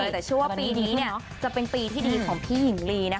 แต่เชื่อว่าปีนี้จะเป็นปีที่ดีของพี่หญิงลี